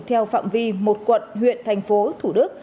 theo phạm vi một quận huyện thành phố thủ đức